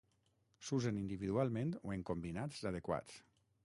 S'usen individualment o en combinats adequats.